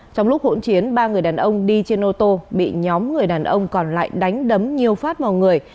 trong lúc hỗn chiến ba người đàn ông đi trên ô tô bị nhóm người đàn ông còn lại đánh đấm nhiều phát vào người